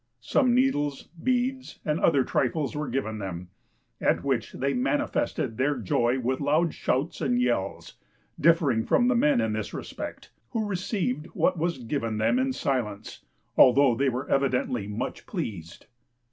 Some needles, beads, and other trifles were given them, at which they manifested their joy with loud shouts and yells, differing from the men in this respect, who received what was given them in silence, although they were evidently much pleased.